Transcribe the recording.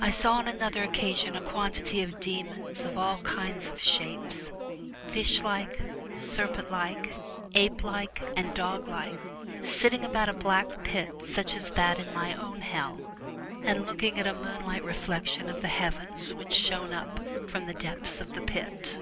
I saw on another occasion a quantity of demons of all kinds of shapes — fish like, serpent like, ape like, and dog like — sitting about a black pit such as that in my own Hell, and looking at a moon like reflection of the Heavens which shone up from the depths of the pit.